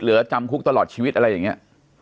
จำคุกตลอดชีวิตอะไรอย่างนี้